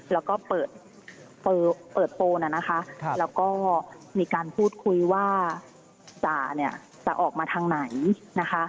แล้วก็เปิดโปรแล้วก็มีการพูดคุยว่าจาจะออกมาทางไหน